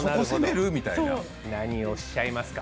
何をおっしゃいますか。